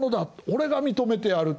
俺が認めてやる」。